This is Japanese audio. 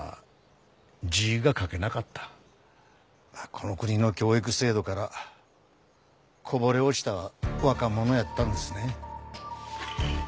この国の教育制度からこぼれ落ちた若者やったんですね。